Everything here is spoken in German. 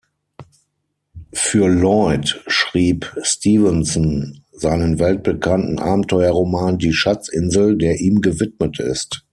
Für Lloyd schrieb Stevenson seinen weltbekannten Abenteuerroman Die Schatzinsel, der ihm gewidmet ist.